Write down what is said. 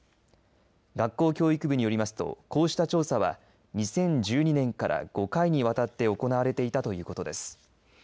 学校教育部によりますとこうした調査は２０１２年から５回にわたって行われていたということです。